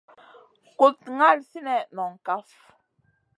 Kuɗ ŋal sinèh noŋ kaf.